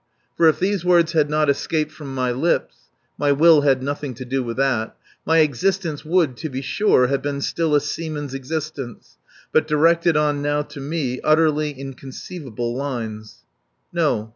For if these words had not escaped from my lips (my will had nothing to do with that) my existence would, to be sure, have been still a seaman's existence, but directed on now to me utterly inconceivable lines. No.